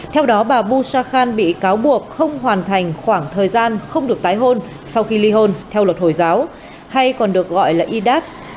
theo đó bà busha khan bị cáo buộc không hoàn thành khoảng thời gian không được tái hôn sau khi ly hôn theo luật hồi giáo hay còn được gọi là idaf